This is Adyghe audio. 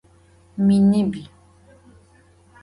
Minibl.